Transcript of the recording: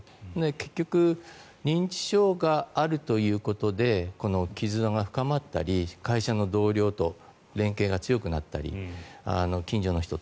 結局、認知症があるということで絆が深まったり会社の同僚と連携が強くなったり近所の人。